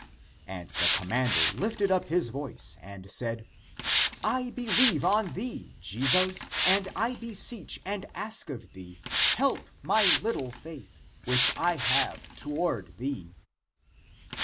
And the commander lifted up his voice and said " I believe on thee, Jesus, and I beseech and ask of thee, help my little faith, which I have to ward thee."